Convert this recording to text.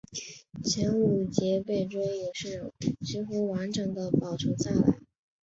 前五节背椎也是几乎完整地保存下来。